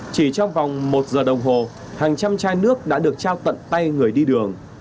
chỉ trong vòng một giờ đồng hồ hàng trăm chai nước đã được trao tận tay người đi đường